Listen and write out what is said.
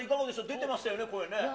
出てましたよね、声ね。